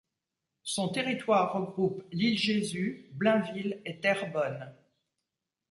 Son territoire regroupe l'Île Jésus, Blainville et Terrebonne.